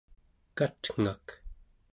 katngak